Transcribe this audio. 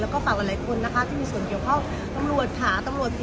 แล้วก็ฝากหลายคนนะคะที่มีส่วนเกี่ยวข้าวกรวจหาตำรวจอิตาลี